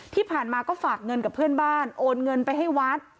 ที่ผ่านมาก็ฝากเงินกับเพื่อนบ้านโอนเงินไปให้วัด